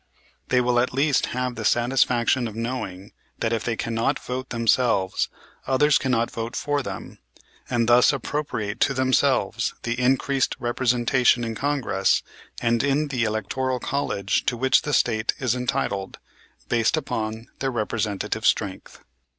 They will at least have the satisfaction of knowing that if they cannot vote themselves, others cannot vote for them, and thus appropriate to themselves the increased representation in Congress and in the electoral college to which the State is entitled, based upon their representative strength.